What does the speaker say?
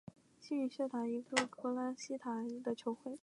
幸运薛达是一个位于荷兰锡塔德的球会。